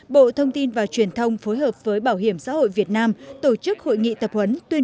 bộ thông tin và truyền thông phối hợp với bảo hiểm xã hội việt nam tổ chức hội nghị tập huấn tuyên